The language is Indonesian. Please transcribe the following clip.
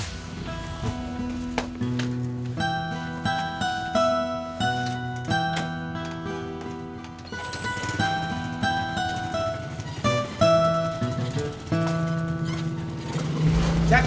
tail tadi kita